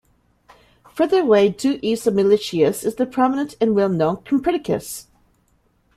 Further away due east of Milichius is the prominent and well-known Copernicus.